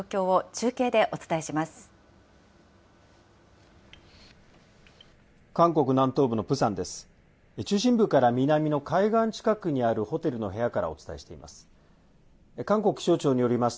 中心部から南の海岸近くにあるホテルの部屋からお伝えしています。